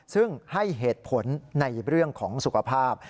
ซึ่งให้เหตุผลในเรื่องของสุขภาพ